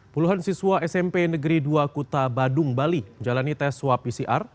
puluhan siswa smp negeri dua kuta badung bali menjalani tes swab pcr